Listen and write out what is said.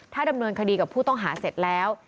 ถ้าดำเนินคดีกับผู้ต้องหาเสร็จแล้ว